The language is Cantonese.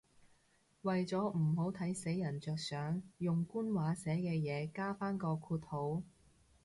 為咗唔好睇死人着想，用官話寫嘅嘢加返個括號